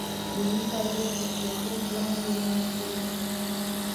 دیني فعالیت تر پوښښ لاندې ونیسي.